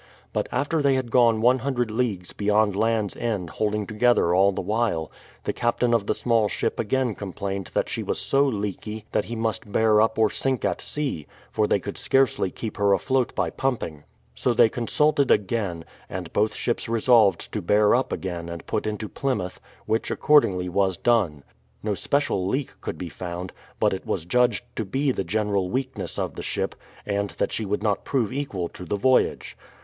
But after they had gone lOO leagues beyond Land's End holding together all the while, the captain of the small ship again complained that she was so leaky that he must bear up or sink at sea, for they could scarcely keep her afloat by pump ing. So they consulted again, and both ships resolved to bear up again and put into Plymouth, which accordingly was done. No special leak could be found, but it was judged to be the general weakness of the ship, and that she would not prove equal to the voyage.